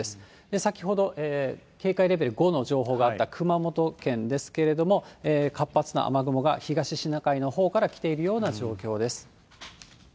先ほど警戒レベル５の情報があった熊本県ですけれども、活発な雨雲が東シナ海のほうから来ているような状況です。